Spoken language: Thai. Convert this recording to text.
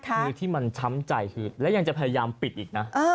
คือที่มันช้ำใจคือแล้วยังจะพยายามปิดอีกนะ